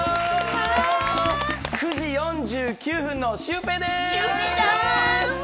９時４９分のシュウペイです！